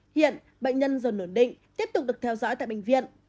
hiện bệnh nhân dồn nổn định tiếp tục được theo dõi tại bệnh viện